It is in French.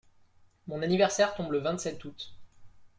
Mon anniversaire tombe le vingt-sept août.